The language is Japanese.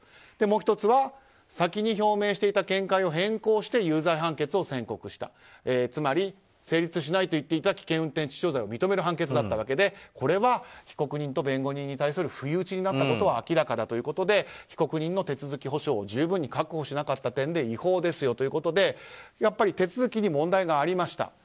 もう１つは、先に表明していた見解を変更して有罪判決を宣告したつまり成立しないと言っていた危険運転致死傷罪を認める判決だったわけで被告人と弁護人に対する不意打ちだったということで被告人の手続き保障を十分に確保しなかった点で違法ですよということで手続きに問題がありました。